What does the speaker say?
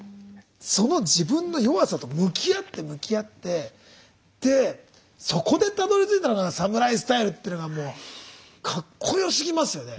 その自分の弱さと向き合って向き合ってそこでたどりついたのがサムライスタイルっていうのがもうかっこよすぎますよね。